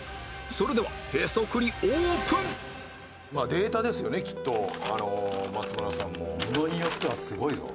それではまあデータですよねきっと松村さんも。ものによってはすごいぞ。